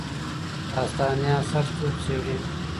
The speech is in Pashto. داستاني اثر څوک څېړي؟